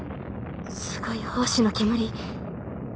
すごい胞子の煙。